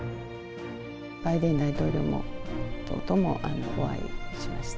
バイデン大統領ともお会いしました。